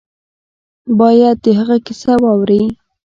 باید د هغه کیسه واوري.